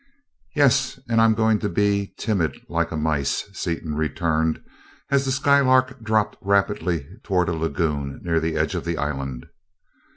"Yes, and I'm going to be timid like a mice," Seaton returned as the Skylark dropped rapidly toward a lagoon near the edge of the island.